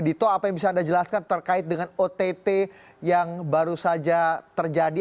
dito apa yang bisa anda jelaskan terkait dengan ott yang baru saja terjadi